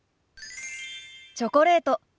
チョコレート。